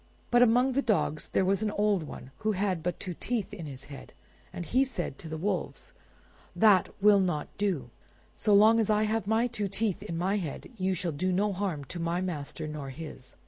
But among the dogs there was an old one, who had but two teeth in his head, and he said to the wolves— "That will not do. So long as I have my two teeth in my head you shall do no harm to my master nor his."